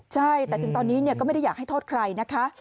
ใช่แต่ถึงตอนนี้ก็ไม่ได้อยากให้โทษใครนะคะ